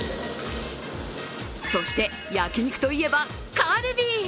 そして、焼き肉といえばカルビ。